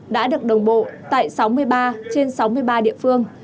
đã được đồng bộ tại sáu mươi ba trên sáu mươi ba địa phương